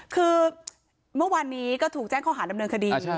คือเมื่อวานนี้ก็ถูกแจ้งข้อหาดำเนินคดี